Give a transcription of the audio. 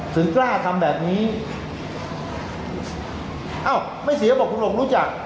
ถึงกล้าทำแบบนี้อ้าวไม่เสียบอกคุณหลงรู้จัก